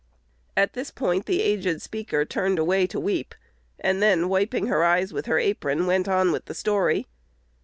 (At this point the aged speaker turned away to weep, and then, wiping her eyes with her apron, went on with the story).